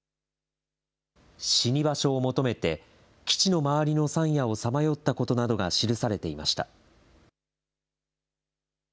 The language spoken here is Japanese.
死に場所を求めて、基地の周りの山野をさまよったことなどが記されていました。